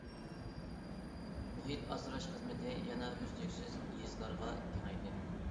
مۇھىت ئاسراش خىزمىتى يەنە ئۈزلۈكسىز يېزىلارغا كېڭەيدى.